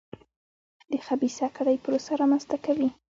د خبیثه کړۍ پروسه رامنځته کوي.